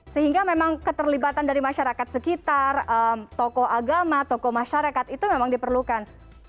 sehingga memang keterlibatan dari masyarakat sekitar tokoh agama tokoh masyarakat itu memang diperlukan